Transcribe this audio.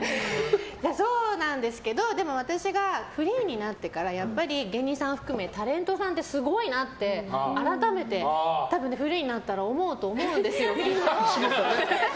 そうなんですけどでも私がフリーになってからやっぱり芸人さんを含めタレントさんってすごいなって、改めて多分、フリーになったら思うと思うんですよ、きっと。